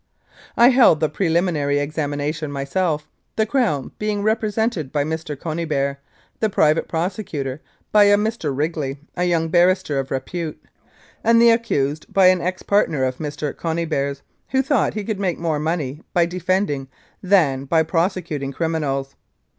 I held the preliminary examination myself, the Crown being represented by Mr. Conybeare, the private prosecutor by a Mr. Wrigley, a young barrister of re pute, and the accused by an ex partner of Mr. Cony beare's, who thought he could make more money by defending than by prosecuting criminals.